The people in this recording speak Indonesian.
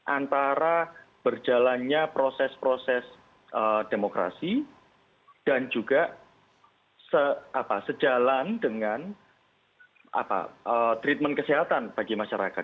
antara berjalannya proses proses demokrasi dan juga sejalan dengan treatment kesehatan bagi masyarakat